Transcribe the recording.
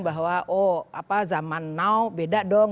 bahwa oh zaman now beda dong